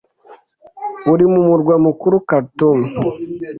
uri mu murwa mukuru khartoum